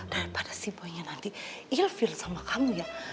daripada si boynya nanti ilfil sama kamu ya